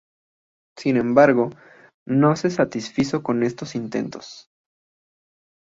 Sin embargo, no se satisfizo con estos intentos.